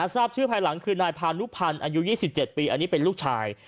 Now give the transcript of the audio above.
ทราบชื่อภายหลังคือนายพานุพันธ์อายุ๒๗ปีอันนี้เป็นลูกชาย